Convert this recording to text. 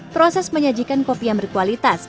proses menyajikan kopi yang berkualitas